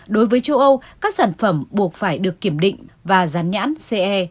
đối với châu âu các sản phẩm buộc phải được kiểm định và rán nhãn ce